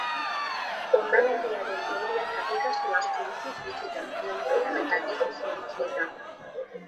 Hondamendiaren teoriak aplikazio asko ditu fisikan, biologian eta giza zientzietan.